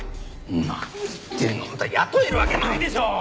何言ってんの？あんた雇えるわけないでしょ！